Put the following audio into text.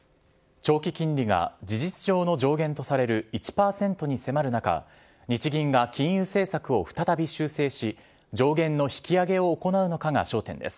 長期金利が事実上の上限とされる１％に迫る中、日銀が金融政策を再び修正し、上限の引き上げを行うのかが焦点です。